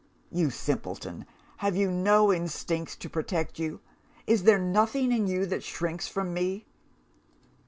You simpleton, have you no instincts to protect you? Is there nothing in you that shrinks from me?